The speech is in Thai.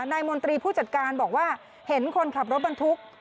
มนตรีผู้จัดการบอกว่าเห็นคนขับรถบรรทุก